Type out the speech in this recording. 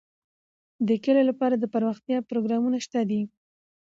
د کلیو لپاره دپرمختیا پروګرامونه شته دي.